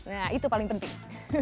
nah itu paling penting